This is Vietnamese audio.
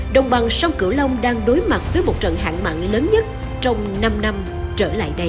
đồng bằng sông cửu long đang đối mặt với một trận hạn mặn lớn nhất trong năm năm trở lại đây